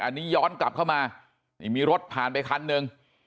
อันนี้ย้อนกลับเข้ามานี่มีรถผ่านไปคันหนึ่ง